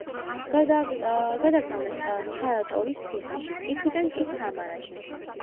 გადაგზავნეს სარატოვის ციხეში, იქედან კი სამარაში.